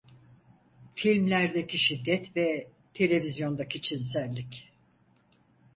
Filmlerdeki şiddet ve televizyondaki cinsellik…